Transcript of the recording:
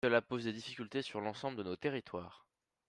Et cela pose des difficultés sur l’ensemble de nos territoires.